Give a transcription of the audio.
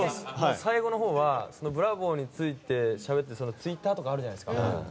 最後のほうはブラボーについてしゃべってるツイッターとかあるじゃないですか。